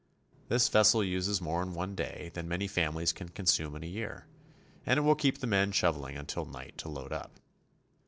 This vessel uses more in one day than many families can consume in a year, and it will keep the men shoveling until night to load up.